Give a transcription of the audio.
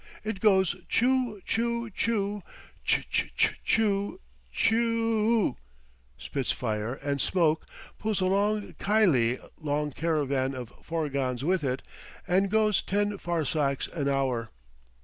It goes chu, chu! chu!! ch ch ch chu ch u u u!!! spits fire and smoke, pulls a long khylie long caravan of forgans with it, and goes ten farsakhs an hour."